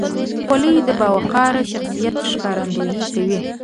خولۍ د باوقاره شخصیت ښکارندویي کوي.